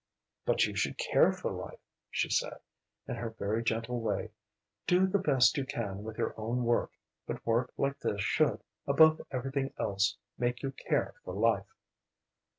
"But you should care for life," she said, in her very gentle way. "Do the best you can with your own work, but work like this should, above everything else, make you care for life."